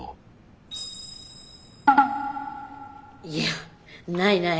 いやないない。